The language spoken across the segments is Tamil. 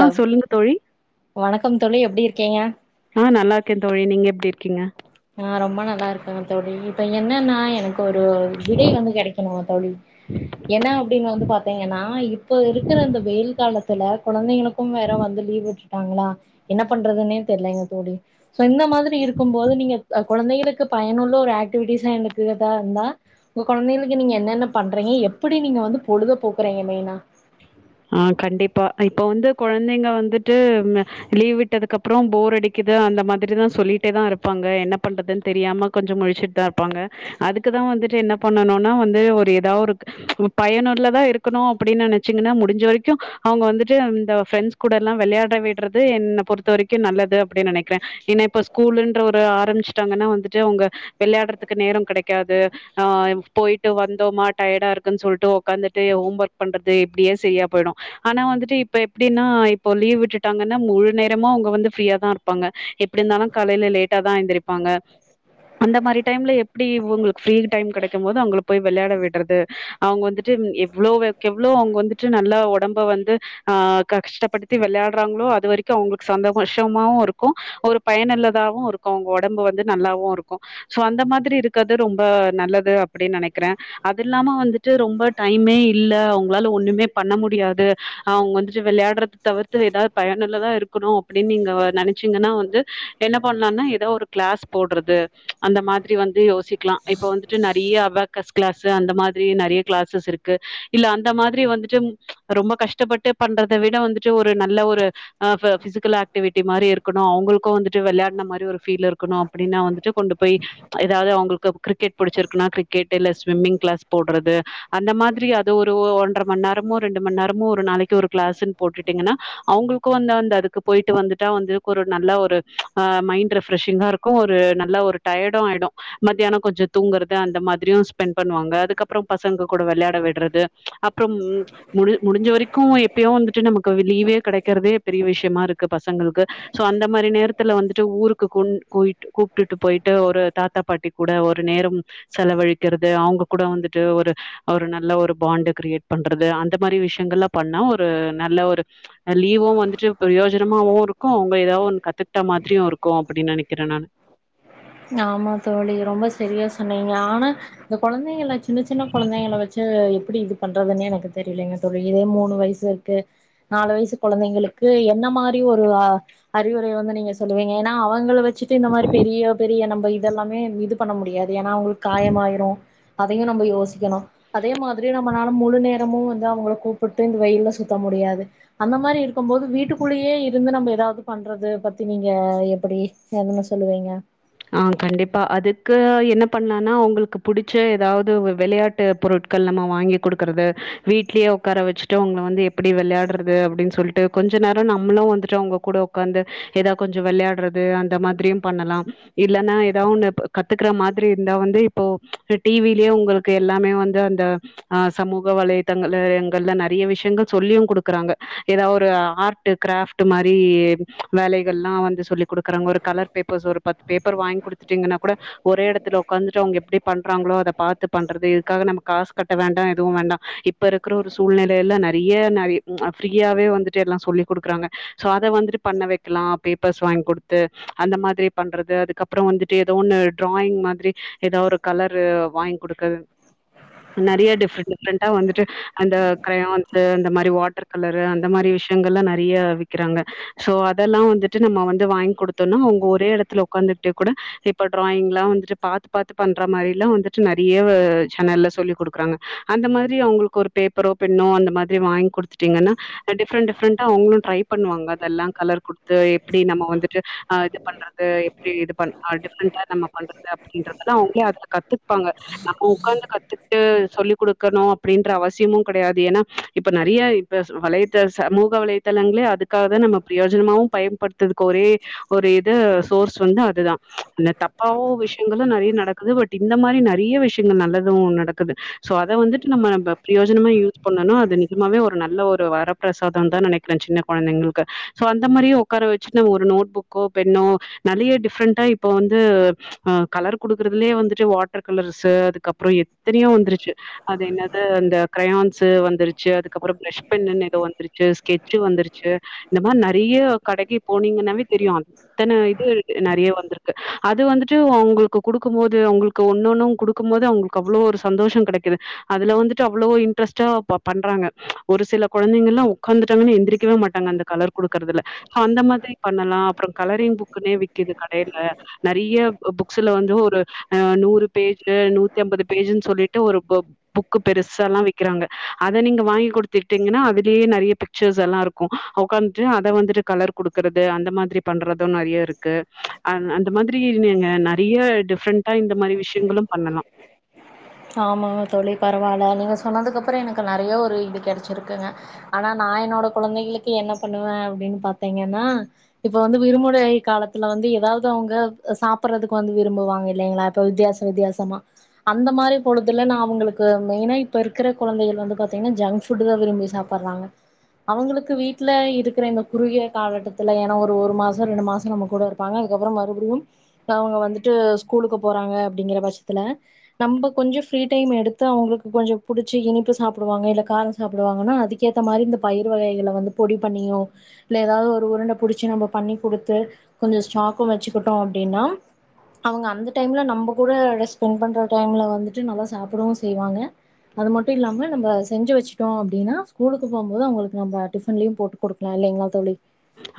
ஆ சொல்லுங்க தோழி வணக்கம் தோழி எப்டி இருக்கீங்க ஆ நல்லா‌ இருக்கே தோழி நீங்க எப்டி இருக்கீங்க ஆ ரொம்ப இருக்கே தோழி‌ இப்ப என்னன்னா எனக் இப்ப ஒரு விடை வந்து கெடைக்கணு தோழி என்ன அப்டின்னு வந்து பாத் த்தீங்கன்னா இப்ப இருக்கிற இந்த வெயில் காலத்துல கொழந்தைங்களுக்கும் வேற‌ வந்து லீவ் ட்டாங்களா என்ன பண்றதுன்னே தெரியலங்க தோழி சோ இந்த மாதிரி இருக்கும் போது நீங்க கொழந்தைகளுக்கு பயனுள்ள ஒரு ஆக்டிவிட்டிஸ்ஸா எனக்கு இதா இருந்தா உங்க கொழந்தைகளுக்கு நீங்க என்னென்ன பண்றீங்க எப்பிடி நீங்க வந்து பொழுது போக்குறீங்க மெய்னா ஆ‌ கண்டிப்பா இப்ப வந்து கொழந்தைங்க வந்துட்டு லீவ் விட்டதுக்கு அப்பற போர் அடிக்குது அந்த மாதிரிதா சொல்லிட்டே தா இருப்பாங்க என்ன பண்றதுன்னு தெரியாம கொஞ்சம் முழிச்சுட்டு தா இருப்பாங்க அதுக்குதா வந்துட்டு என்ன பண்ணனுனா வந்து ஒரு ஏதாவது ஒரு பயனுள்ளதா தா இருக்கணு அப்டின்னு நெனச்சீங்கன்னா முடிஞ் ச வரைக்கு அவுங்க வந்துட்டு இந்த ஃப்ரெண்ட்ஸ் கூட எல்லா விளையாட விடுறது என்ன பொறுத்த வரை க்கு நல்லது அப்டின்னு நெனைக்கிறே ஏனா இப்ப ஸ்கூல்ன்ற ஒரு ஆரம்பிச்சுட்டாங்கன்னா வந்துட்டு அவுங்க வெளையாடுறதுக்கு நேரம் கெடைக்காது ஆ போயிட்டு வந்தோமா டயர்டா இருக்குன்னு சொல்ட்டு ஒக்காந்துட்டு ஹோம் ஒர்க் பண்றது இப்டியே செய்யா போயிடு ஆனா வந்துட்டு இப்ப எப்டினா இப்போ லீவ் விட்டுட்டாங்கன்னா முழு நேரமு அவுங்க வந்து ஃபீரியா தா இரு ப்பாங்க எப்டி இருந்தாலு காலைல லேட்டா தா எந்திருப்பாங்க அந்த மாரி டைம்ல எப்டி உங்களுக்கு ஃப்ரீ டைம் கெடைக்கும் போது அவுங்களுக்கு போய் வெளையாட விடுறது அவுங்க வந்துட்டு எவ்ளோக்கு எவ்வளவு அவுங்க வந்துட்டு நல்லா ஒடம்ப வந்து ஆ கஷ்டப்படுத்தி விளையாடுறாங்களோ அது வரைக்கு அவுங்களுக்கு சந்தோஷமாவு இருக்கு ஒரு பயனுள்ளதாவு இருக்கு அவங்க ஒடம்பு வந்து நல்லாவு இருக்கு சோ அந்த மாதிரி இருக்கது ரொம்ப நல்லது அப்டின் நெனைக்கிறே அது இல்லாம வந்துட்டு ரொம்ப டைம்மே இல்ல அவுங்களால ஒன்னுமே பண்ண மு டியாது அவுங்க வந்துட்டு விளையாடுறத தவிர்த்து ஏதாவது பயனுள்ளதா இருக்கணு அப்டின் நீங்க நெனைச்சீங்கன்னா வந்து என்ன பண்ணலானா ஏதோ ஒரு கிளாஸ் போடுறது அந்த மாதிரி வந்து யோசிக்கலா இப்ப வந்துட்டு நெறைய அபாக்கஸ் கிளாஸ் அந்த மாதிரி நெறைய கிளாஸஸ் இருக்கு இல்ல அந்த மாதிரி வந்துட்டு ரொம்ப கஷ்டப்பட்டு பண்றத விட வந்துட்டு ஒரு நல்ல ஒரு ஆ ஃப ஃபிசிக்கல் ஆக்டிவிட்டி மாரி இருக்கணு அவுங்களுக்கு வந்துட்டு விளையாடுன மாரி ஒரு ஃபீல் இருக்கணு அப்டின்னா வந்துட்டு கொண்டு போய் ஏதாவது அவுங்களுக்கு கிரிக்கெட் புடிச்சிருக்குன்னா கிரிக்கெட் இல்ல ஸ்விம்மிங் கிளாஸ் போடுறது அந்த மாதிரி அது ஒரு ஒ ஒன்றரை ம நேரமு ரெண்டுமண் நேரமு ஒரு நாளைக்கு ஒரு கிளாஸின் போட்டுட்டீங்கன்னா அவுங்களுக்கு வந்து அந்த அதுக்கு போய்ட்டு வந்துட்டாவந்து ஒரு நல்லா ஒரு ஆ மைண்ட் ரிஃப்ரெஷிங்காருக்கு ஒரு நல்ல ஒரு டயர்டும் ஆயிடு மத்தியானொ கொஞ்சொத் தூங்கற்து அந்த மாத்ரியு ஸ்பெண் பண்ணுவாங்க அதுக்கப்பற பசங்க கூட விளையாடவிட்றது அப்பறம் முடிமுடிஞ்ச வரைக்கூ எப்யோ வந்துட்டு நம்மக்கு லீவே கடைக்கறதே பெரிய விஷ்யமாருக்கு பசங்கள்க்கு சோ அந்த மாரி நேரத்துல வந்துட்டு ஊருக்கு குண் கூயிட்டு கூப்பிட்டுட்டு போயிட்டு ஒரு தாத்தா பாட்டி கூட ஒரு நேரம் செலவழிக்கிறது அவுங்க கூட வந்துட்டு ஒரு ஒரு நல்ல ஒரு பாண்டு கிரியேட் பண்றது அந் அந்த மாரி விஷயங்கள்லா பண்ணா ஒரு நல்ல ஒரு லீவு வந்துட்டு பிரயோஜனமாவுருக்கு ம்ப ஏதாவ் ஒன்னு கத்துக்ட்டா மாத்ரியு இருக்கு அப்டின்னு நெனைக்கிறே நானு ஆம்மா தோழி ரொம்ப சரியா‌ சொன்னிங்க ஆனா இந்த கொழந்தைங்களா சின்ன சின்ன கொழந்தைங்கள வச்சு எப்டி இதுப் பண்றதுன் எனக்கு தெரியிலிங்க தோழி இதே மூணு வைசு வர்க்கு நாலு வைசு கொழந்தைங்களு க்கு என்ன மாரி ஒரு அ அறிவுரை வந்து நிங்க சொல்லுவீங்க என்னா அவுங்கள வெச்சிட்டு இந்த மாரி பெரிய ஃபிரியா நம்ப இதல்லாமே இது பண்ண முடியாது ஏன்னா அவுங்குளுக்கு காயமாயிரு அதையு நம்ப யோசிக்கணு அதே மாதிரியு நம்மனால முழு நேரமு வந்து அவுங்கள கூப்பிட்டு இந்த வெயில்ல சுத்தமுடியாது அந்த மாரி இருக்கும்போது வீட்டுக்குள்ளயே இருந்து நம்ம ஏதாவ்து பண்றது பத்தி நீங்க எப்படி எதன்ன சொல்லுவீங்க ஆ கண்டிப்பா அதுக்கு என்ன பண்ணலானா உங்களுக்கு புடிச்ச ஏதாவ்து வெளையாட்டு பொருட் கள் நம்ம வாங்கிகுடுக்கறது வீட்லே உக்கார வச்ட்டு உங்கள வந்து எப்டி வெளாட்றது அப்டின் சொல் ட்டு கொஞ்ச நேரொ நம்ளு வந்துட்டு அவுங்க கூட உக்காந்து ஏதாவ் கொஞ்சொ விளையாட்றது அந்த மாதிரியு பண்ணலாம் இல்லன்னா ஏதாவ் ஒண்ணு ப்ப கத்துக்ற மாதிரி இருந்தா வந்து இப்போ டிவிலே உங்களுக்கு எல்லாமே வந்து அந்த அ சமுகவலைதங்கள்ல எங்கள்ல நெறைய விஷயங்கள் சொல்லியு குடுக்குறாங்க ஏதாவ்ஒரு ஆர் ட்டு கிராஃப்ட் மாரி வேலைகள்ல்லா வந்து சொல்லி குடுக்குறாங்க ஒரு கலர் பேப்பர்ஸ் ஒரு பத் பேப்பர் வாங்கி குடுத்துட்டீங்கன்னா கூட ஒரே எடத்துல உக்காந்துட்டு அவுங்க எப்டி பண்றாங்ளோ அத பாத்து பண்றது இதுக்காக நம்மக் காசு கட்ட வேண்டா எதுவு வேண்டா இப் ப்ப இருக்கிற ஒரு சூழ்நிலை நெறைய நெறை ஃப்ரீயாவே வந்துட்டுஎல்லா சொல்லிக்குடுக்குறாங்க சோ அத வந்துட்டு பண்ண வக்கலா பேப்பர்ஸ் வாங்கிகுடுத்து அந்த மாதிரி பண்றத் து அதுக்கப்ற வந்துட்டு ஏதோ ஒன்னு டிராயிங் மாதிரி எதா ஒரு கலரு வாங்கிகுடுக்கற நெறைய டிஃப்ரெண்ட் டிஃப்ரெண்ட்டா வந்துட்டு அந்த கிரயான்ஸ்ஸீ அந்த மாரி வாட்டர் கலரு அந்த மாரி விஷயங்கள்லா நெறைய விக்குறாங்க சோ அதெல்லா வந்துட்டு நம்ம வந்து வாங்கி குடுத்தோன்னா அங்க ஒரே எடத்துல ஒக்காந்துட்டே கூட இப்ப டிராயிங்ல்லா வந்துட்டு பாத்து பாத்து பண்ற மாரில்லா வந்துட்டு நெறைய சேனல்ல சொல்லி் குடுக்றாங்க அந்த மாரி அவுங்களுக்கு ஒரு பேப்பரோ பெண்ணோ அந்த மாரி வாங்கி குடுத்டீங்கன்னா டிஃப்ரண்ட் டிஃப்ரெண்டா அவுங்களு ட்ரை பண்ணுவாங்க அதெல்லா கலர் குட்த்து எப்டி நம்மவந்துட்டு அ இதுப்பன் றது எப்புடி இது பண்அ டிஃப்ரெண்டா நம்ம பண்றது அப்படின்றதெல்லா அவுங்களே அதுல கத்துப்பாங்க நம்ம உக்கார்ந்து கத்துக்ட்டு சொல்லி் குடுக்கணு அப்படின்ற அவசியமு கெடையாது ஏன்னா இப்ப நறிய ப்ப வலைத்தள சமூக வலைதளங்களே அதுக்காகதா நம்ம பிரயோஜனமாவு பயன்படுத்ததுக்கு ஒரே ஒருஇது சோர்ஸ் ஸ்வந்து அதுதா அந்த தப்பாவு விஷ்யங்கள் நறிய நடக்குது பட் இந்த மாரி நறிய விஷ்யங்கள் நல்லதூ நடக் க்குது சோ அத வந்துட்டு நம்ப ப பிரயோஜ்னமா யூஸ் பண்ணனா அது நிஜமாவே ஒரு நல்ல ஒரு வரப் சாதந்தா நெனைக்கிற சின்ன கொழந்தைங்களுக்கு சோ அந்த மாரியே உக்கார வச்சுட் நம்ம ஒரு நோட் புக்கோ பெண்ணோ நறிய டிஃப்ரெண்ட்டா இப்போ வந்து கலர் அ குடுக்கற்துலே வந்துட்டு வாட்டர் கலர்ஸ்ஸி அது கப்புறோ எத்தினியோ வந்துருச்சு அது என்னது அந்த கிரையான்ஸ் ஸு வந்துருச்சு அதுக்கப்பற ப்ரஷ் பென்னுன் எதோ வந்துருச்சு ஸ்கெட்சு வந்துருச்சு இந்த மார் நறிய கடைக்கு போனீங்கன்னாவே தெரியு அத்தன இருக்கு அ நறைய வந்திருக்கு அது வந்துட்டு அவங்களுக்கு கொடுக்கும் போது அவுங்களுக்கு ஒன்னு ஒன்னு அவுங் கொடுக்கும் போது அவுங்ளுக் அவ்வளோ ஒரு சந்தோஷம் கெடைக்குது அதுல வந்துட்டு அவ்வளவோ இன்ட்ரெஸ்ட்டா பண்றாங்க ஒரு சில கொழந்தைங்கலாம் உக்காந்துட்டாங்கன்னா எந்திரிக்கவே மாட்டாங்க அந்த கலர் கொடுக்கறதுல அந்த மாதிரி பண்ணலாம் அப்புறம் கலரிங் புக் க்குனே விக்குது கடையில நெறைய புக்ஸ்ல வந்து ஒரு அ நூறு பேஜ் நூத்தி ஐம்பது பேஜ்ன்னு சொல்லிட்டு ஒரு ப புக்கு பெருசா எல்லாம் விக்கிறாங்க அத நீங்க வாங்கி கொடுத்துட்டீங்கன்னா அதுலேயே நெறைய பி க்க்ஷர்ஸ் எல்லாம் இருக்கும் உக்காந்துட்டு அத வந்துட்டு கலர் கொடுக்கறது அந்த மாதிரி பண்றதும் நெறைய இருக்கு அ அந்த மாதிரி நெறைய டிஃப்ரெண்டா இந்த மாதிரி விஷயங்களும் பண்ணலாம் ஆமாம்ங்க தோழி பரவால்ல நீங்க சொன்னதுக்கப்புறம் எனக்கு நெறையா ஒரு இது கெடச்சிருக்குங்க ஆனா நா என்னோட குழந்தைகளுக்கு என்ன பண்ணுவேன் அப்டின்னு பாத்தீங்கன்னா இப்ப வந்து விரும்புறை காலத்துல வந்து ஏதாவ்து அவுங்க சாப்புறதுக்கு வந்து விரும்புவாங்க இல்லைங்களா இப்போ வித்தியாசம் வித்தியாசமா அந்த மாரி பொழுதுல நா அவுங்களுக்கு மெயினா இப்ப இருக்ற கொழந்தைகள் வந்து பாத்தீங்கன்னா ஜங்க் ஃபுட்டு தா விரும்பி சாப்புறாங்க அவுங்களுக்கு வீட்ல இருக்கிற இந்த குறுகிய காலகட்டத்துல ஏன்னா ஒரு மாசம் ரெண்டு மாசம் நம்ம கூட இருப்பாங்க அதுக்கு அப்புறம் மறுபடியும் அவுங்க வந்துட்டு ஸ்கூலுக்கு போறாங்க அப்டிங்கிற பட்சத்துல நம்ப கொஞ்சம் ஃப்ரீ டைம் எடுத்து அவங்களுக்கு கொஞ்சம் புடிச்ச இனிப்பு சாப்டுவாங்க இல்ல காரம் சாப்புடுவங்கன்னா அதுக் கேத்த மாரி இந்த பயிர் வகைகள வந்து பொடி பண்ணியோ இல்ல ஏதாவ்து ஒரு உருண்ட பிடிச்சி நம்ம பண்ணி கொடுத்து கொஞ்சம் ஸ்டாக்கும் வச்சுக்கிட்டோம் அப்டின்னா அவுங்க அந்த டைம்ல நம்ம கூட ஸ்பெண்ட் பண்ற டைம்ல வந்துட்டு நல்லா சாப்டவும் செய்வாங்க அது மட்டும் இல்லாம நம்ம செஞ்சு வச்சட்டோம் அப்டின்னா ஸ்கூலுக்கு போகும் போது அவுங்களுக்கு நம்ம டிஃபன்லயு போட்டு குடுக்கலாம் இல்லைங்களா தோழி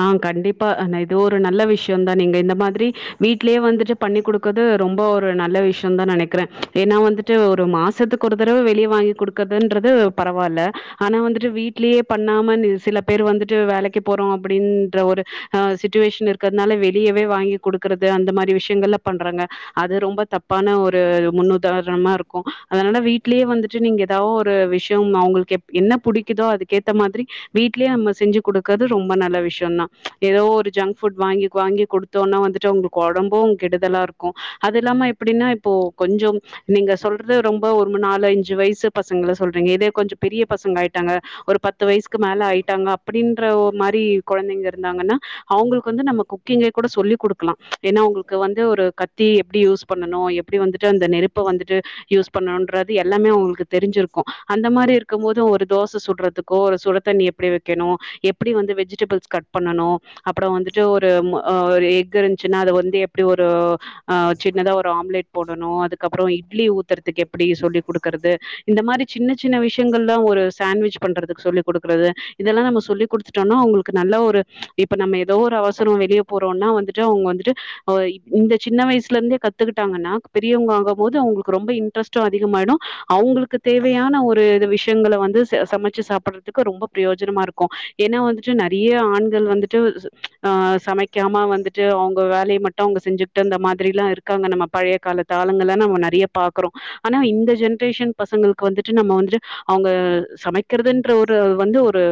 ஆ கண்டிப்பா இது ஒரு நல்ல விஷயம் தான் நீங்க இந்த மாதிரி வீட்லயே வந்துட்டு பண்ணி் கொடுக்கது ரொம்போ ஒரு நல்ல விஷயம் தான் நெனைக்கிறேன் ஏன்னா வந்துட்டு ஒரு மாசத்துக்கு ஒரு தடவ வெளிய வாங்கி கொடுக் கதுன்றது பரவால்ல ஆனா வந்துட்டு வீட்லயே பண்ணாம சில பேர் வந்துட்டு வேலைக்கு போறோம் அப்டின்ற ஒரு அ சிச்சுவேஷன் இருக்கிறதுனால வெளியவே வாங்கி கொடுக்கறது அந்த மாதிரி விஷயங்கள்ல பண்றாங்க அது ரொம்ப தப்பான ஒரு முன்னுதாரணமா இருக்கும் அதனால வீட்லயே வந்து ட்டு நீங்க ஏதோ ஒரு விஷயம் அவுங்களுக்கு என்ன பிடிக்குதோ அதுக்க ஏத்த மாதிரி வீட்லேயே நம்ம செஞ்சு கொடுக்கது ரொம் ரொம்ப நல்ல விஷயம் தான் ஏதோ ஒரு ஜங்க் ஃபுட் வாங்கி வாங்கி கொடுத்தோம்ன்னா வந்துட்டு அவுங்களுக்கு ஒடம்பும் கெடுதலா இருக் கும் அது இல்லாம எப்டினா இப்போ கொஞ்சம் நீங்க சொல்றது ரொம்ப ஒரு நாலு அஞ்சு வயசு பசங்கல சொல்றீங்க இதே கொஞ்சம் பெரிய பசங்க ஆயிட்டாங்க ஒரு பத்து வயசுக்கு மேல ஆயிட்டாங்க அப்டின்ற மாதிரி கொழந்தைங்க இருந்தாங்கன்னா அவுங்களுக்கு வந்து நம்ம குக்கிங்கை கூட சொல்லி் கொடுக்கலாம் ஏன்னா அவுங்களுக்கு வந்து ஒரு கத்தி எப்டி யூஸ் பண்ணணும் எப்டி வந்துட்டு அந்த நெருப்ப வந்துட்டு யூஸ் பண்ணும்ன்றது எல்லாமே அவுங்களுக்கு தெரிஞ்சிருக்கும் அந்த மாதிரி இருக்கும் போது ஒரு தோச சுடுறதுக்கோ ஒரு சுடுதண்ணி எப்டி வைக்கணும் எப்டி வந்து வெஜிடபிள்ஸ் கட் பண்ணணும் அப்றோ வந்துட்டு ஒரு ஆ ஒரு எக் இருந்ச்சுன்னா அது வந்து எப்டி ஒரு ஆ சின்னதா ஒரு ஆம்லெட் போடணு அதுக்கப்றோ இட்லி ஊத்துறதுக்கு எப்டி சொல்லி குடுக்றது இந்த மாரி சின்ன சின்ன விஷயங்கள்லா ஒரு சாண்ட்விச் பண்றதுக்கு சொல்லி குடுக்குறது இதெல்லா நம்ம சொல்லிக் குடுத்து ட்டோனா அவுங்களுக்கு நல்ல ஒரு இப்ப நம்ம ஏதோ ஒரு அவசரம் வெளியே போறோனா வந்துட்டு அவுங்க வந்துட்டு ஓ இந்த சின்ன வயசுல இருந்தே கத்துக்கிட்டாங்கன்னா பெரியவங்க ஆகு போது அவுங்களுக்கு ரொம்ப இன்ட்ரெஸ்ட் டும் அதிகமாயிடுஅவங்களுக்கு தேவையான ஒரு விஷயங்கள வந்து ச சமச்சு சாப்புறதுக்கு பிரயோஜனமா இருக்கு ஏன்னா வந்துட்டு நெறைய ஆண்கள் வந்துட்டு ஆ சமைக்காம வந்துட்டு அவுங்க வேலய மட்டு அவுங்க செஞ்சு ட்டு இந்தந்த மாதிரில்லாம் இருக்காங்க நம்ம பழைய காலத்து ஆளுங்கள நம்ம நெறைய பாக்கறோம் ஆனா இந்த ஜென்ரேஷன் பசங்களுக்கு வந்துட்டு நம்ம வந்துட்டு அவங்க சமைக்கிறதுன்ற ஒரு வந்து ஒரு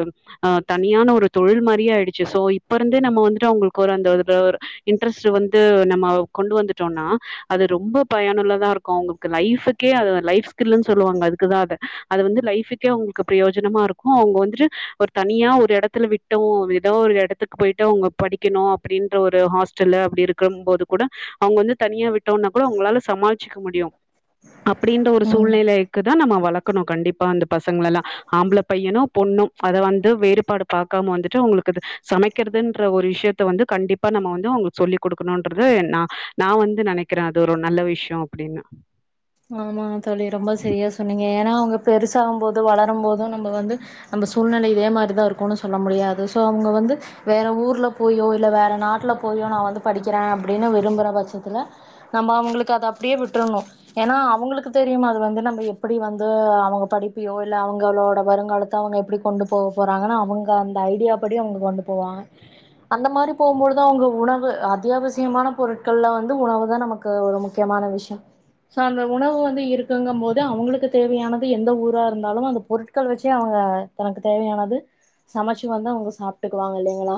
தனியா ஆனா ஒரு தொழில் மாறி ஆயிடுச்சு சோ இப்ப இருந்தே நம்ம வந்துட்டு அவங்களுக்கு ஒரு அந்த ஒரு இன்ட்ரெஸ்ட் வந்து நம்ம கொண்டு வந்துட்டோனா அது ரொம்ப பயனுள்ளதா இருக்கும் அவங்களுக்கு லைஃபக்கே அது லைஃப் ஸ்கில்ன்னு சொல்லுவாங்க அதுக்குதான் அத அது வந்து லைஃபக்கே அவங்களுக்கு பிரயோஜனமா இருக்கும் அவங்க வந்துட்டு ஒரு தனியா ஒரு எடத்துல விட்டோம் ஏதோ ஒரு எடத்துக்கு போயிட்டு அவங்க படிக்கணும் அப்படின்ற ஒரு ஹாஸ்டல்லு அப்டி இருக்கு இருக்கும் போது கூட அவங்க வந்து தனியா விட்டோம்னா கூட அவங்களால சமாளச்சிக்க முடியும் அப்டின்ற ஒரு சூழ்நிலைக்கு தான் நம்ம வளர்க்கணும் கண்டிப்பா அந்த பசங்களல்லாம் ஆம்பள பையனும் பொண்ணும் அத வந்து வேறுபாடு பாக்காம வந்துட்டு உங்களுக்கு சமைக்கிறதுன்ற ஒரு விஷயத்த வந்து கண்டிப் பா நம்ம வந்து அவங்களுக்கு சொல்லி குடுக்கணும்ன்றது நா நான் வந்து நெனைக்கிறேன் அது ஒரு நல்ல விஷயம் அப்டின்னு ஆமா தோழி ரொம்ப சரியா சொன்னீங்க ஏன்னா அவங்க பெருசாகும் போது வளரும் போது நம்ம வந்து நம்ம சூழ்நிலை இதே மாரிதான் இருக்கும்னு சொல்ல முடியாது சோ அவங்க வந்து வேற ஊர்ல போயோ இல்ல வேற நாட்ல போயோ நான் வந்து படிக்கிறேன் அப்டின்னு விரும்புற பட்சத்துல நம்ம அவங்களுக்கு அத அப்படியே விட்ரனும் ஏன்னா அவங்களுக்கு தெரியும் அது வந்து நம்ம எப்படி வந்து அவங்க படிப்பியோ இல்ல அவங்க அவளோட வருங்காலத்த அவங்க எப்டி கொண்டு போக போறாங்கன்னா அவங்க அந்த ஐடியா படி அவங்க கொண்டு போவாங்க அந்த மாரி போகும்போதுதான் அவங்க உணவு அத்தியாவசியமான பொருட்கள்ல வந்து உணவு தான் நமக் க்கு ஒரு முக்கியமான விஷயம் ஸோ அந்த உணவு வந்து இருக்குங்கும் போது அவங்களுக்கு தேவையானது எந்த ஊரா இருந்தாலும் அந்த பொருட்கள் வச்சே அவங்க தனக்கு தேவையானது சமைச்சு வந்து அவங்க சாப்பிட்டுக்குவாங்க இல்லைங்களா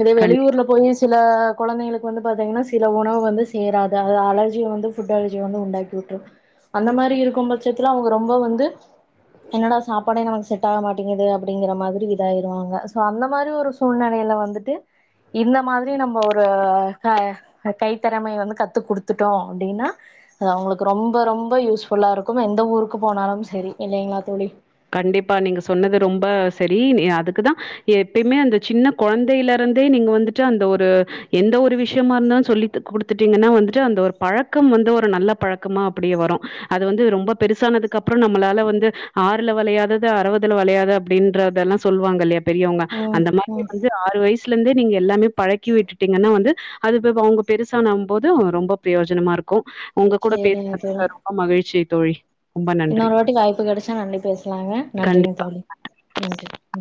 இதே கண் வெளியூர்ல போயி சில கொழந்தைளுக்கு வந்து பாத்தீங்கன்னா சில உணவு வந்து சேராது அது அலர்ஜிய வந்து ஃபுட் அலர்ஜிய வந்து உண்டாக் கிடுது அந்த மாரி இருக்கும் பட்சத்துல அவங்க ரொம்ப வந்து என்னடா சாப்பாடே நமக்கு செட் ஆக மாட்டேங்குது அப்படிங்கற மாதிரி இதாயிடுவாங்க சோ அந்த மாதிரி ஒரு சூழ்நிலையில வந்துட்டு இந்த மாதிரி நம்ம ஒரு கைத்திறமைய வந்து கத்து குடுத்துட்டோம் அப்டின்னா அது அவங்களுக்கு ரொம்ப ரொம்ப யூஸ்ஃபுல்லா இருக்கும் எந்த ஊருக்கு போனாலும் சரி இல்லைங்களா தோழி கண்டிப்பா நீங்க சொன்னது ரொம்ப செரி அதுக்குதான் எப்பயுமே அந்த சின்ன கொழந்தைல இருந்தே நீங்க வந்துட்டு அந்த ஒரு கொ எந்த ஒரு விஷயமா இருந்தாலும் சொல்லி குடுத்துட்டீங்கன்னா வந்துட்டு அந்த ஒரு பழக்கம் வந்து ஒரு நல்ல பழக்கமா அப்டியே வரும் அது வந்து ரொம்ப பெருசானதுக்கு அப்றோம் நம்மளால வந்து ஆறு துல வளையாதது அறுபதுல வளையாது அப்டின்றதெல்லாம் சொல்லுவாங்கல்லையா பெரியவங்க ம் அந்த மாரி ம் வந்து ஆறு வயசுல இருந்தே நீங்க எல்லாமே பழக்கி விட்டுட்டீங்கன்னா வந்து அது அவங்க பெருசான போது ரொம்ப பிரயோஜனமா இருக்கு உங்க கூட சேரிங்க தோழி பேசுனதுல ரொம்ப மகிழ்ச்சி தோழி ரொம்ப நன்றி. இன்னொரு வாட்டி வாய்ப்பு கெடைச்சா மறுபடியும் பேசலாங்க நன்றிங்க கண்டிப்பா. தோழி நன்றி ம்